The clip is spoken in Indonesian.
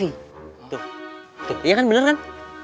iya kan bener kan